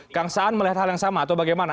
kang saan melihat hal yang sama atau bagaimana